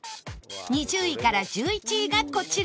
２０位から１１位がこちら